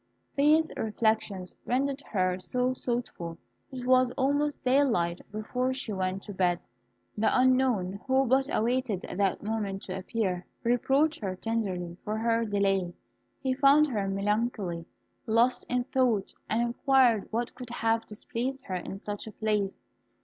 These reflections rendered her so thoughtful that it was almost daylight before she went to bed. The unknown, who but awaited that moment to appear, reproached her tenderly for her delay. He found her melancholy, lost in thought, and inquired what could have displeased her in such a place.